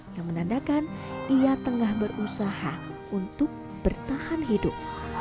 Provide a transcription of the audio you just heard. yang menandakan ia tengah berusaha untuk bertahan hidup